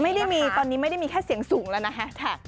ไม่ได้มีตอนนี้ไม่ได้มีแค่เสียงสูงแล้วนะแฮสแท็ก